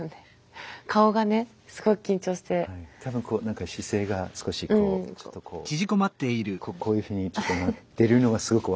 多分何か姿勢が少しこうちょっとこういうふうにちょっとなってるのがすごく分かります。